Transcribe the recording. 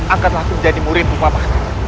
angkatlah aku menjadi murid pampasan